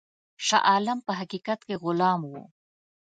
شاه عالم په حقیقت کې غلام وو.